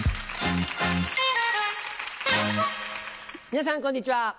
皆さんこんにちは。